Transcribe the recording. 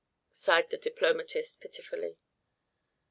_" sighed the diplomatist, pitifully.